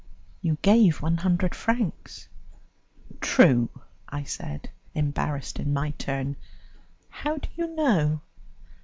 "You gave one hundred francs." "True," I said, embarrassed in my turn, "how do you know?"